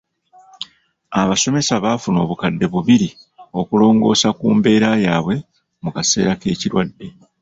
Abasomesa baafuna obukadde bubiri okulongoosa ku mbeera yaabwe mu kaseera k'ekirwadde.